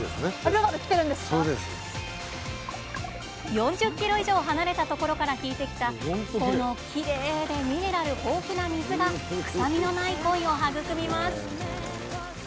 ４０ｋｍ以上離れたところから引いてきたこのきれいでミネラル豊富な水が臭みのないコイを育みます。